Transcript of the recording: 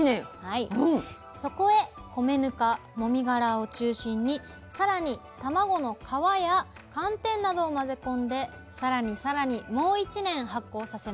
そこへ米ぬかもみがらを中心にさらに卵の皮や寒天などを混ぜ込んでさらにさらにもう１年発酵させます。